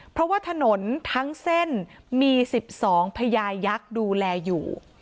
เพราะว่าถนนทั้งเส้นมี๑๒พญายักษ์ดูแลอยู่